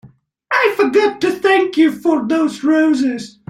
I forgot to thank you for those roses.